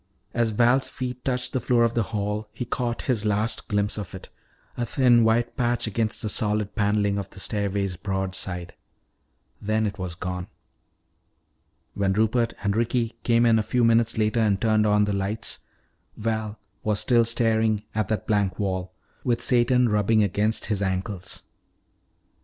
As Val's feet touched the floor of the hall he caught his last glimpse of it, a thin white patch against the solid paneling of the stairway's broad side. Then it was gone. When Rupert and Ricky came in a few minutes later and turned on the lights, Val was still staring at that blank wall, with Satan rubbing against his ankles.